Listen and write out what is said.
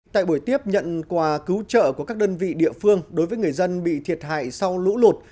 tại buổi tiếp nhận quà cứu trợ của các đơn vị địa phương đối với người dân bị thiệt hại sau lũ lụt